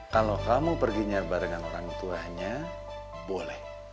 kalau kamu pergi nyarbar dengan orang tuanya boleh